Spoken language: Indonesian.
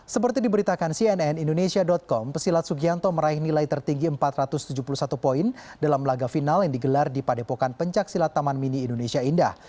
seperti diberitakan cnn indonesia com pesilat sugianto meraih nilai tertinggi empat ratus tujuh puluh satu poin dalam laga final yang digelar di padepokan pencaksilat taman mini indonesia indah